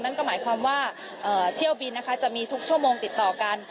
นั่นก็หมายความว่าเที่ยวบินนะคะจะมีทุกชั่วโมงติดต่อกัน